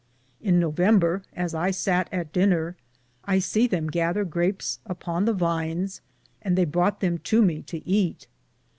In November, as I satt at diner, I se them gather grapes upon the vines, and theye broughte them to me to eate.